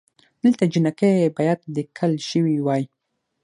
دلته جینکۍ بايد ليکل شوې وئ